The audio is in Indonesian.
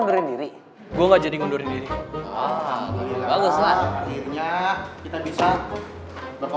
terserah lu deh bobo